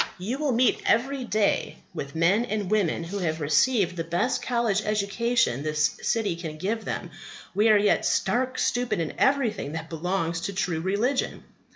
You will meet every day with men and women who have received the best college education this city can give them, who are yet stark stupid in everything that belongs to true religion.